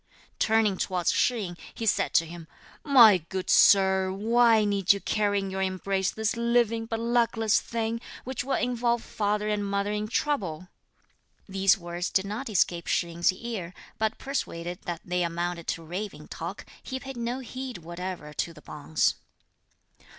Turning towards Shih yin, he said to him: "My good Sir, why need you carry in your embrace this living but luckless thing, which will involve father and mother in trouble?" These words did not escape Shih yin's ear; but persuaded that they amounted to raving talk, he paid no heed whatever to the bonze.